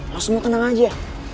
lo semua tenang aja